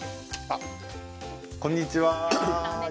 こんにちは。